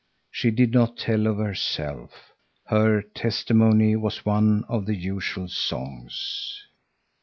She did not tell of herself. Her testimony was one of the usual songs.